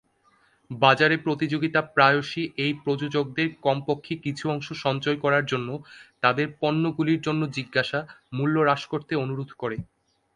বাজারে প্রতিযোগিতা প্রায়শই এই প্রযোজকদের কমপক্ষে কিছু অংশ সঞ্চয় করার জন্য তাদের পণ্যগুলির জন্য জিজ্ঞাসা মূল্য হ্রাস করতে অনুরোধ করে।